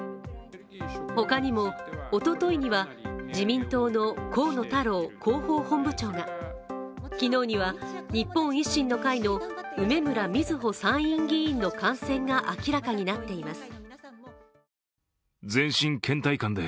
他にも、おとといには自民党の河野太郎広報本部長が、昨日には、日本維新の会の梅村みずほ参院議員の感染が明らかになっています。